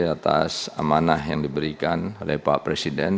atas amanah yang diberikan oleh pak presiden